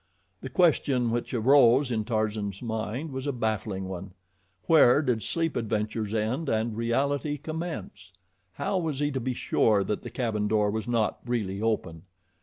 The question which arose in Tarzan's mind was a baffling one. Where did sleep adventures end and reality commence? How was he to be sure that the cabin door was not really open?